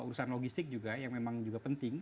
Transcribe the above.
urusan logistik juga yang memang juga penting